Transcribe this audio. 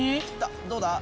どうだ？